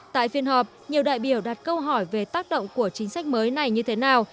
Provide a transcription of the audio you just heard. tại phiên họp nhiều đại biểu đặt câu hỏi về tác động của chính sách mới này như thế nào